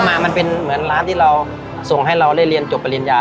เส้นมาก็เหมือนที่ล้างส่งให้คนงาน